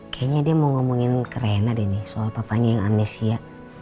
kayanya dia mau ngomongin ke rena deh nih soal papanya yang amnesia